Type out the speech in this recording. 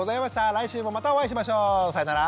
来週もまたお会いしましょう。さようなら。